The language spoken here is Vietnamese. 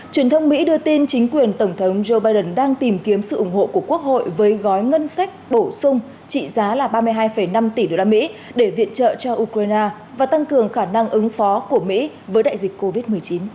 truyền thông mỹ đưa tin chính quyền tổng thống joe biden đang tìm kiếm sự ủng hộ của quốc hội với gói ngân sách bổ sung trị giá là ba mươi hai năm tỷ usd để viện trợ cho ukraine và tăng cường khả năng ứng phó của mỹ với đại dịch covid một mươi chín